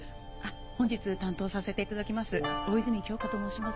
本日担当させていただきます大泉喬花と申します。